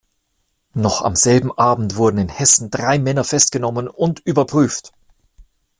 Noch am selben Abend wurden in Hessen drei Männer festgenommen und überprüft.